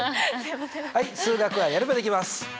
はい数学はやればできます！